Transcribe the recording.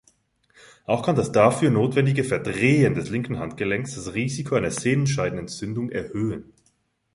Auch kann das dafür notwendige „Verdrehen“ des linken Handgelenks das Risiko einer Sehnenscheidenentzündung erhöhen.